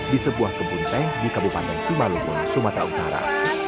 di sebuah kebun teh di kabupaten simalungun sumatera utara